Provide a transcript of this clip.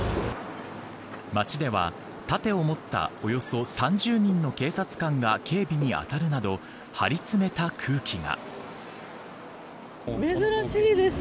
街では盾を持ったおよそ３０人の警察官が警備に当たるなど張り詰めた空気が。